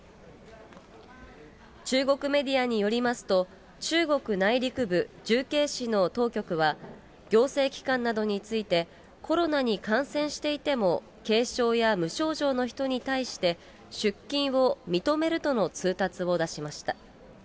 中国メディアによりますと、中国内陸部重慶市の当局は、行政機関などについて、コロナに感染していても、軽症や無症状の人に対して、出勤を認めるとの通達を出しました。